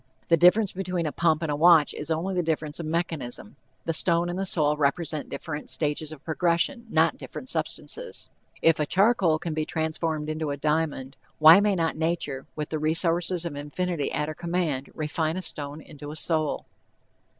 The difference between a pump and a watch is only a difference of mechanism. The stone and the soul represent different stages of progression, not different substances. If a charcoal can be transformed into a diamond, why may not nature, with the resources of infinity at her command, refine a stone into a soul?